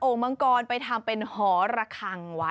โอ้งมังกรไปทำเป็นหอระคังวัด